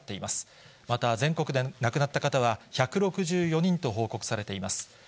また全国で亡くなった方は１６４人と報告されています。